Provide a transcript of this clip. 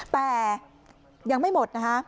แต่ยังไม่หมดนะคะ